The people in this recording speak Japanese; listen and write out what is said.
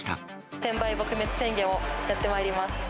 転売撲滅宣言をやってまいります。